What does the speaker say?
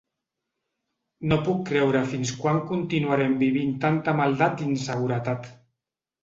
No puc creure fins quan continuarem vivint tanta maldat i inseguretat.